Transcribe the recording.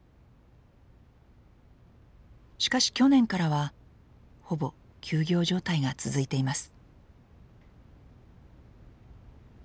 しかし去年からはほぼ休業状態が続いています。